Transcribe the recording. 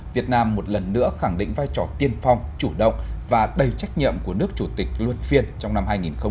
việt nam một lần nữa khẳng định vai trò tiên phong chủ động và đầy trách nhiệm của nước chủ tịch luân phiên trong năm hai nghìn hai mươi